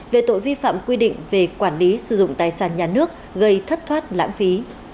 về tội vi phạm quy định về quản lý sử dụng tài sản nhà nước gây thất thoát lãng phí